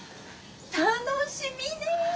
楽しみねぇ。